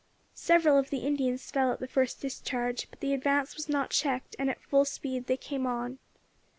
Several of the Indians fell at the first discharge, but the advance was not checked, and at full speed they came on.